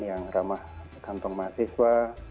yang ramah kantong mahasiswa